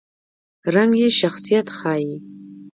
رنګ یې شخصیت ښيي.